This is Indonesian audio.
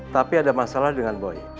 tapi ada masalah dengan boy